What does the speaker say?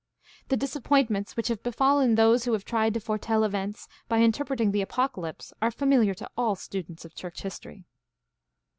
The disappointments which have befallen those who have tried to foretell events by interpreting the Apoca lypse are familiar to all students of church history.